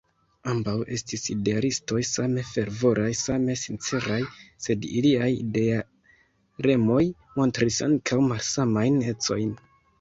Ambaŭ estis idealistoj, same fervoraj, same sinceraj; sed iliaj idealemoj montris ankaŭ malsamajn ecojn.